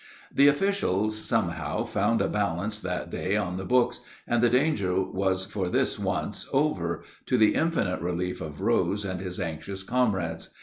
The officials somehow found a balance that day on the books, and the danger was for this once over, to the infinite relief of Rose and his anxious comrades.